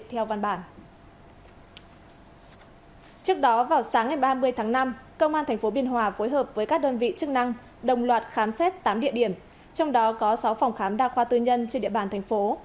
trước đó vào sáng ngày ba mươi tháng năm công an tp biên hòa phối hợp với các đơn vị chức năng đồng loạt khám xét tám địa điểm trong đó có sáu phòng khám đa khoa tư nhân trên địa bàn thành phố